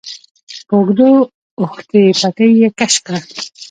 په اوږو اوښتې پټۍ يې کش کړه.